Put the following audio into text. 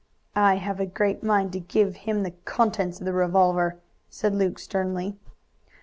"I have a great mind to give him the contents of the revolver!" said Luke sternly.